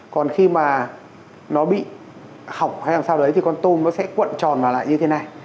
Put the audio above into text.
còn khi mà nó bị hỏng hay đằng sau đấy thì con tôm nó sẽ cuộn tròn vào lại như thế này